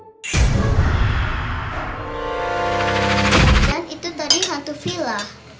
dan itu tadi hantu villa